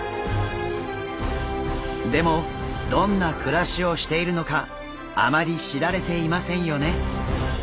でもどんな暮らしをしているのかあまり知られていませんよね？